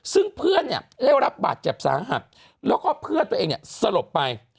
ซึ่งเพื่อนได้รับบัตรเจ็บสาหับแล้วก็เพื่อนตัวเองสลบไป